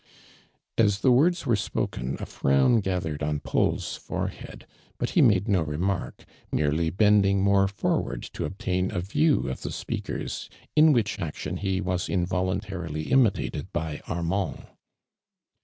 '' As the words wert^ spoken a frown gathered on Paul's foieliead, but he mafle no remark, merely bending moic forwairl to obtain a view of the .speakers, in which AUMAND DIUAND. 21 i notion he was involuntarily imitated by Arnmnd.